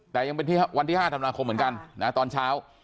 แต่ยังเป็นวันที่๕ธันวาคมเหมือนกันนะตอนเช้า